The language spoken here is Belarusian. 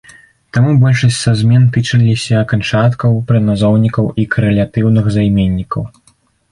Таму большасць са змен тычыліся канчаткаў, прыназоўнікаў і карэлятыўных займеннікаў.